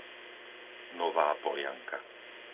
Nová Polianka